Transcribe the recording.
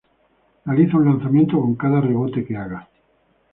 Realiza un lanzamiento con cada rebote que haga.